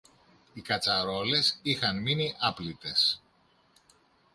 Οι κατσαρόλες είχαν μείνει άπλυτες